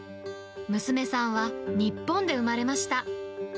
娘さんは日本で生まれました。